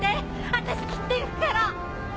私きっと行くから！